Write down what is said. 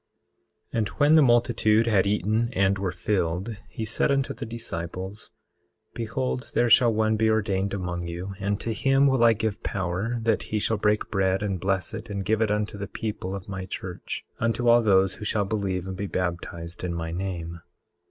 18:5 And when the multitude had eaten and were filled, he said unto the disciples: Behold there shall one be ordained among you, and to him will I give power that he shall break bread and bless it and give it unto the people of my church, unto all those who shall believe and be baptized in my name.